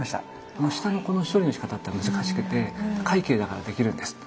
下のこの処理のしかたっていうのは難しくて快慶だからできるんです。